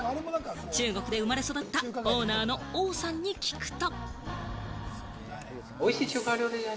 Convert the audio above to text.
中国で生まれ育ったオーナーのオウさんに聞くと。